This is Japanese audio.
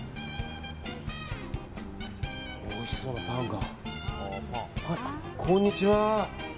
おいしそうなパンが。